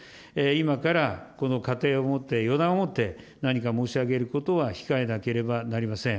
今からこの過程をもって、予断をもって何か申し上げることは控えなければなりません。